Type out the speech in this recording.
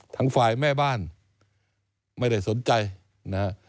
ทั้งฝ่ายแม่บ้านไม่ได้สนใจนะฮะ